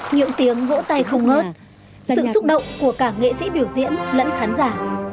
những tiếng vỗ tay không ngớt sự xúc động của cả nghệ sĩ biểu diễn lẫn khán giả